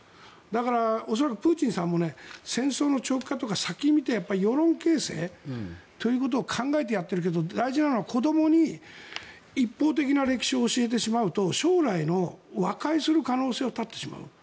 だから、恐らくプーチンさんも戦争の長期化とか先を見て世論形成ということを考えて、やってるけど大事なのは子どもに一方的な歴史を教えてしまうと将来の和解する可能性を断ってしまう。